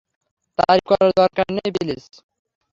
তারিফ করার দরকার নেই, প্লিজ।